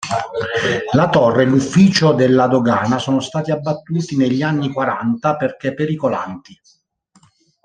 La Torre e l'Ufficio della Dogana sono stati abbattuti negli anni quaranta perché pericolanti.